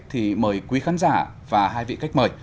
thì mời quý khán giả và hai vị khách mời